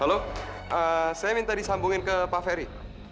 lalu saya minta disambungin ke pak ferry